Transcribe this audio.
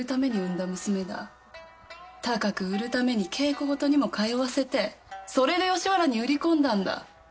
高く売るために稽古事にも通わせてそれで吉原に売り込んだんだ。